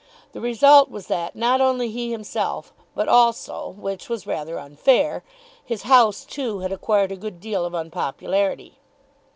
The result was that not only he himself, but also which was rather unfair his house, too, had acquired a good deal of unpopularity.